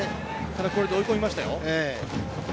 これで追い込みました。